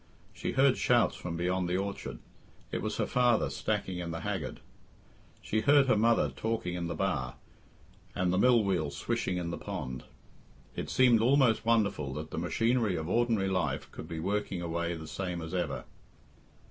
She heard shouts from beyond the orchard it was her father stacking in the haggard; she heard her mother talking in the bar, and the mill wheel swishing in the pond. It seemed almost wonderful that the machinery of ordinary life could be working away the same as ever.